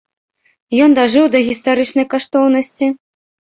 Ён дажыў да гістарычнай каштоўнасці?